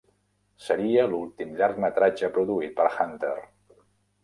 Seria l'últim llargmetratge produït per Hunter.